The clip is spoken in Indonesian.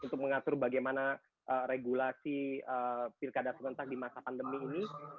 untuk mengatur bagaimana regulasi pilkada serentak di masa pandemi ini